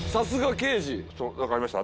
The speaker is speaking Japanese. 何かありました？